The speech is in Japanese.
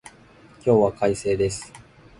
今日は快晴です。